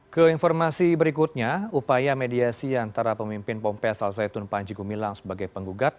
keinformasi berikutnya upaya mediasi antara pemimpin pompel salzeitun panji gumilang sebagai penggugat